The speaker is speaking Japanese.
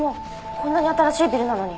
こんなに新しいビルなのに。